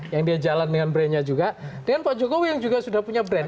yang dia jalan dengan brandnya juga dengan pak jokowi yang juga sudah punya brand